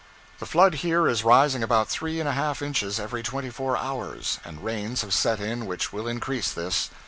The flood here is rising about three and a half inches every twenty four hours, and rains have set in which will increase this.